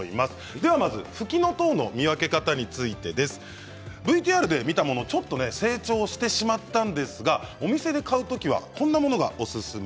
ではまずふきのとうの見分け方についてです。ＶＴＲで見たものちょっとね成長してしまったんですがお店で買う時はこんなものがオススメです。